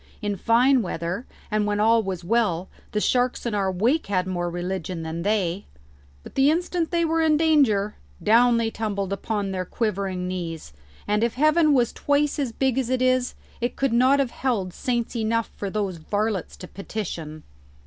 In fine weather, and when all was well, the sharks in our wake had more religion than they; but the instant they were in danger, down they tumbled upon their quivering knees, and if heaven was twice as big as it is, it could not have held saints enough for those varlets to petition."